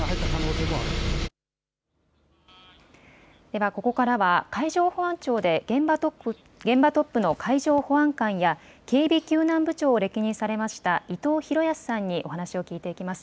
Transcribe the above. では、ここからは海上保安庁で現場トップの海上保安監や警備救難部長を歴任されました伊藤裕康さんにお話を聞いていきます。